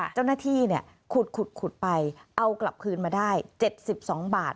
เจ้าหน้าที่ขุดไปเอากลับคืนมาได้๗๒บาท